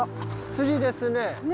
釣りですね。